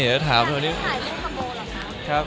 แต่ถ่ายเรื่องเวโมหรอครับ